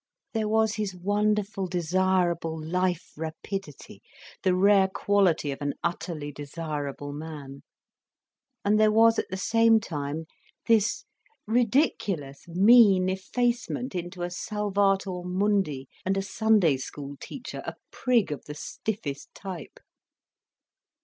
There was his wonderful, desirable life rapidity, the rare quality of an utterly desirable man: and there was at the same time this ridiculous, mean effacement into a Salvator Mundi and a Sunday school teacher, a prig of the stiffest type.